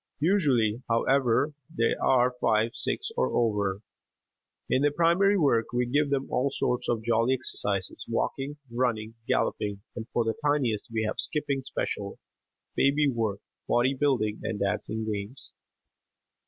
Usually, however, they are five, six, or over. In their primary work we give them all sorts of jolly exercises walking, running, galloping, and for the tiniest we have "skipping special," "baby work," body building and dancing games.